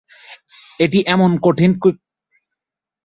এটা কি এমন কঠিন?